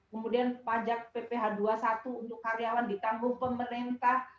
kemudian pajak pph dua puluh satu untuk karyawan ditanggung pemerintah